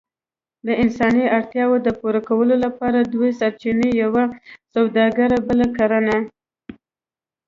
د انساني اړتياوو د پوره کولو لپاره دوه سرچينې، يوه سووداګري بله کرنه.